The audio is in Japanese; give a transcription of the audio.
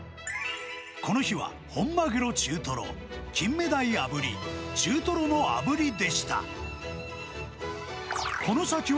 この日は本マグロ中トロ、金目鯛炙り、中トロのあぶりでした。